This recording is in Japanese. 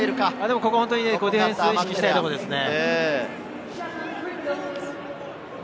ディフェンス、意識したいところですね。